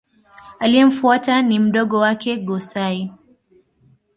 Aliyemfuata ni mdogo wake Go-Sai.